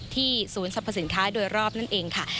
ศูนย์สรรพสินค้าโดยรอบนั่นเองค่ะ